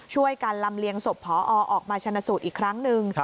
ช่วยกันลำเลียงศพพอออกมาชนะสูตรอีกครั้งหนึ่ง